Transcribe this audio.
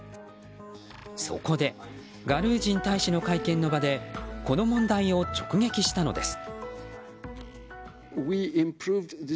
そこでガルージン大使の会見の場でこの問題を直撃したのです。